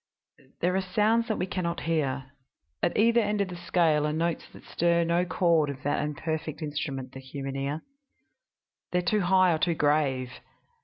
"There are sounds that we can not hear. At either end of the scale are notes that stir no chord of that imperfect instrument, the human ear. They are too high or too grave.